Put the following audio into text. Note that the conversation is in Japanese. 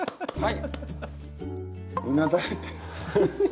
はい。